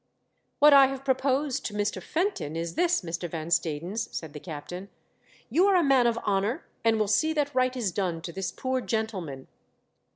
" What I have proposed to Mr. Fenton is this, Mr. Van Stadens," said the captain :" You are a man of honour and will see that right is done to this poor gentleman."